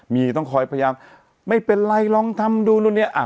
มีต้องคอยพยายามไม่เป็นไรลองทำดูนู่นเนี่ย